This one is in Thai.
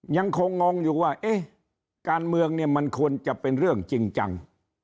งงอยู่ว่าเอ๊ะการเมืองเนี่ยมันควรจะเป็นเรื่องจริงจัง